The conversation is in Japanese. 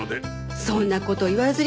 そんな事言わずに。